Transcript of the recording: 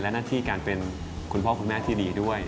และหน้าที่การเป็นคุณพ่อคุณแม่ที่ดีด้วย